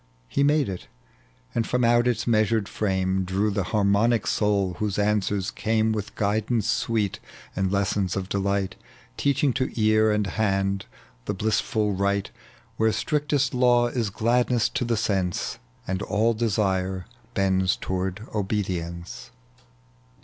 He made it, and from out its measured ft ame Drew the harmonic soul, whose answers came With guidance sweet and lessons of delight TcacliiDg to ear and hand the blissful Right, "Where strictest law is gladness to the sense, And all desire bonds toward obedience.